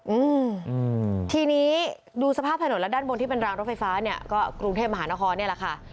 อืมทีนี้ดูสภาพถนนแล้วด้านบนที่เป็นรางรถไฟฟ้าเนี่ยก็กรุงเทพมหานครเนี่ยแหละค่ะ